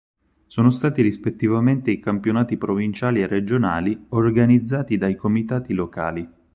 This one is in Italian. Sono stati rispettivamente i campionati provinciali e regionali organizzati dai comitati locali.